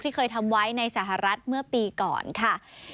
เคยทำไว้ในสหรัฐเมื่อปีก่อนค่ะ